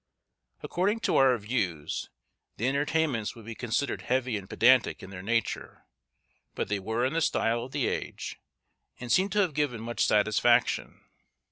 According to our views, the entertainments would be considered heavy and pedantic in their nature; but they were in the style of the age, and seem to have given much satisfaction.